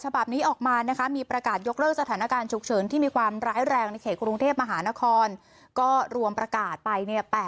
บอกว่าอยากให้ทุกคนเนี่ย